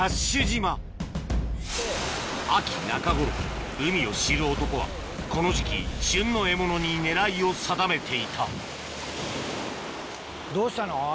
ＤＡＳＨ島秋中頃海を知る男はこの時期旬の獲物に狙いを定めていたどうしたの？